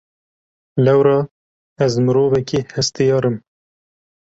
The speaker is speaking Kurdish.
Lewra ez mirovekî hestiyar im.